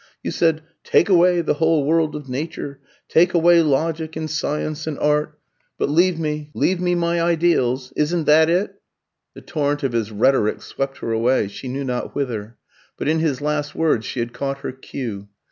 You said, 'Take away the whole world of nature, take away logic and science and art, but leave me leave me my ideals!' Isn't that it?" The torrent of his rhetoric swept her away, she knew not whither. But in his last words she had caught her cue.